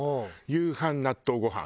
夕飯納豆ご飯。